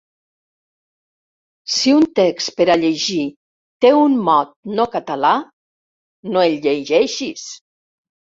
Si un text per a llegir té un mot no català, no el llegeixis!